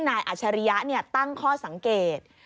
นายอัชริยะเนี่ยตั้งข้อสังเกต